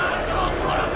殺せ！